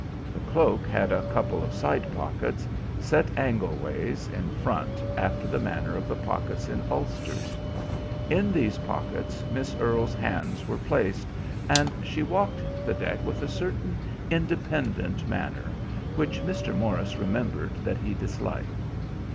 The cloak had a couple of side pockets set angleways in front, after the manner of the pockets in ulsters. In these pockets Miss Earle's hands were placed, and she walked the deck with a certain independent manner which Mr. Morris remembered that he disliked.